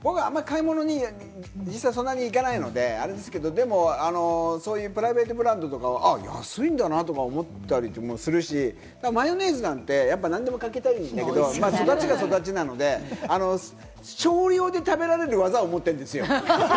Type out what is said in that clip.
僕あんまり買い物に実は行かないのでアレですけど、プライベートブランドとかは安いんだなとか思ったりもするし、マヨネーズなんて何でもかけたいんだけど、育ちが育ちなので、少量で食べられる技を持ってるんですよ。